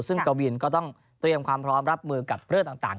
ซึ่งกวินก็ต้องเตรียมความพร้อมรับมือกับเรื่องต่าง